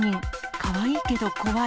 かわいいけど怖い。